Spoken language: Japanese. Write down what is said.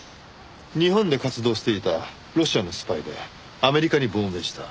日本で活動していたロシアのスパイでアメリカに亡命した。